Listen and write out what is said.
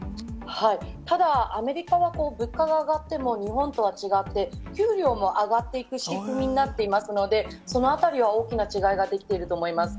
ただ、アメリカは、物価が上がっても、日本とは違って、給料も上がっていく仕組みになっていますので、そのあたりは大きな違いが出ていると思います。